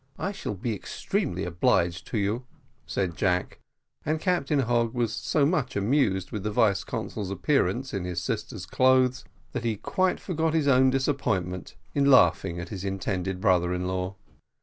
"I shall be extremely obliged to you," said Jack and Captain Hogg was so much amused with the vice consul's appearance in his sister's clothes, that he quite forgot his own disappointment in laughing at his intended brother in law.